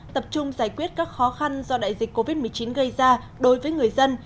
tập trung giải quyết các khó khăn do đại dịch covid một mươi chín gây ra đối với người dân